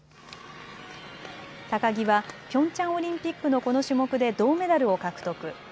高木はピョンチャンオリンピックのこの種目で銅メダルを獲得。